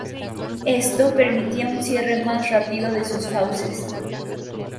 Esto permitía un cierre más rápido de sus fauces.